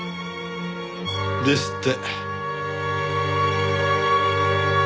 ですって。